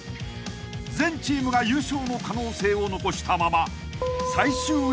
［全チームが優勝の可能性を残したまま］